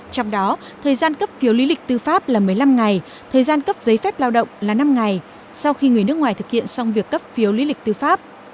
trong đó thời gian cấp phiếu lý lịch tư pháp là một mươi năm ngày thời gian cấp giấy phép lao động là năm ngày sau khi người nước ngoài thực hiện xong việc cấp phiếu lý lịch tư pháp